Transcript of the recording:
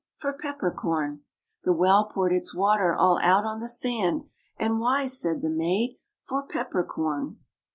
For Pepper Corn! The well poured its water all out on the sand ; ^^And why?" said the maid. For Pepper Corn!